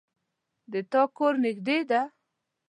د تا کور نږدې ده